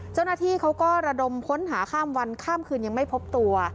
เจ้าหน้าที่เขาก็ระดมค้นหาข้ามวันข้ามคืนยังไม่พบตัว